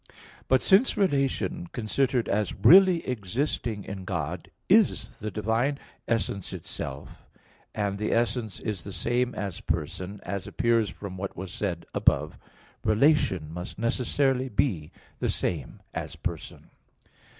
2). But since relation, considered as really existing in God, is the divine essence Itself, and the essence is the same as person, as appears from what was said above (Q. 39, A. 1), relation must necessarily be the same as person.